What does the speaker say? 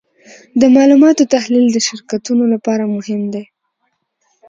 د معلوماتو تحلیل د شرکتونو لپاره مهم دی.